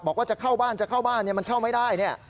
บอกว่าจะเข้าบ้านจะเข้าบ้านมันเข้าไม่ได้เนี่ย